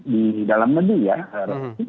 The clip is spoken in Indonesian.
di dalam medial